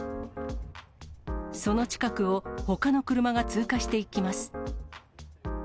その近くをほかの車が通過していきます。